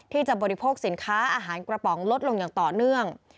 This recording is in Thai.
บริโภคสินค้าอาหารกระป๋องลดลงอย่างต่อเนื่อง